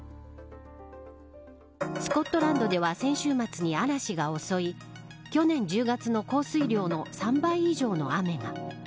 スコットランドでは先週末に嵐が襲い去年１０月の降水量の３倍以上の雨が。